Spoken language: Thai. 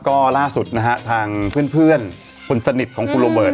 ก็ล่าสุดนะฮะทางเพื่อนคนสนิทของคุณโรเบิร์ต